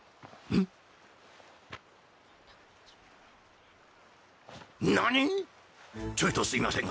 うん。